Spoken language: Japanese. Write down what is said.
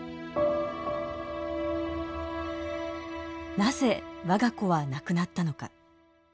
なぜ我が子は亡くなったのか。